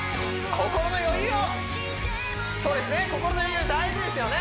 心の余裕大事ですよね